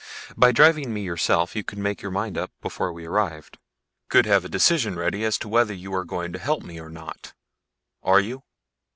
By driving me yourself you could make your mind up before we arrived. Could have a decision ready as to whether you are going to help me or not. Are you?"